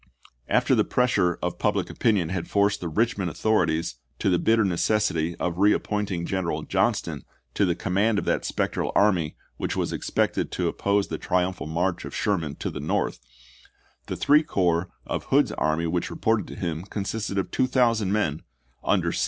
After the pressure of public opinion had forced the Eichmond author ities to the bitter necessity of reappointing General Johnston to the command of that spectral army which was expected to oppose the triumphal march of Sherman to the North, the three corps of Hood's army which reported to him consisted of 2000 men Chap. I.